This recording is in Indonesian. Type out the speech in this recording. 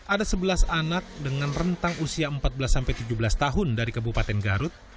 ada sebelas anak dengan rentang usia empat belas tujuh belas tahun dari kabupaten garut